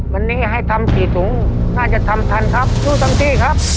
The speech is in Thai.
วันนี้ให้ทำ๔ถุงน่าจะทำทันครับสู้เต็มที่ครับ